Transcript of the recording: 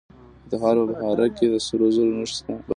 د تخار په بهارک کې د سرو زرو نښې شته.